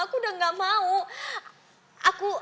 aku udah nggak mau